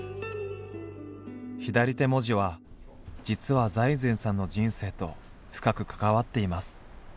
左手文字は実は財前さんの人生と深く関わっています。